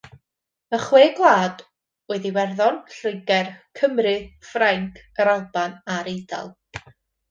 Y chwe gwlad oedd Iwerddon, Lloegr, Cymru, Ffrainc, Yr Alban a'r Eidal.